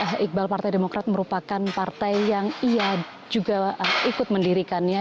ya iqbal partai demokrat merupakan partai yang ia juga ikut mendirikannya